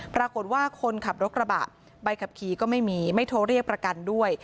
ปรากฏว่าคนขับรถกระบะใบขับขี่ก็ไม่มีไม่โทรเรียกประกันด้วย